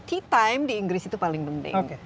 key time di inggris itu paling penting